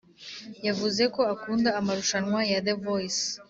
yavuze ko akunda amarushanwa ya the voice